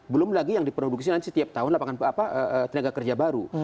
belum lagi yang diproduksi setiap tahun tenaga kerja baru